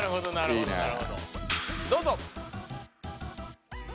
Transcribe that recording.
どうぞ。